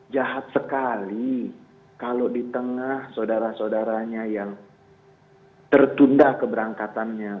jahat sekali kalau di tengah saudara saudaranya yang tertunda keberangkatannya